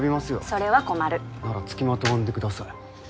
それは困るならつきまとわんでください